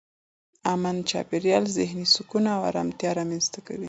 امن چاپېریال ذهني سکون او ارامتیا رامنځته کوي.